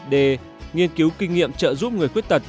d nghiên cứu kinh nghiệm trợ giúp người khuyết tật